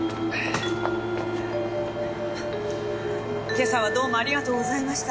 今朝はどうもありがとうございました。